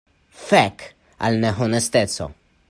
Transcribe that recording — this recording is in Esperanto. Fek al nehonesteco!